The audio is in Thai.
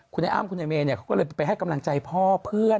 คุณไอ้อ้ำคุณไอเมเขาก็เลยไปให้กำลังใจพ่อเพื่อน